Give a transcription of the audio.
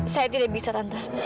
saya tidak bisa tante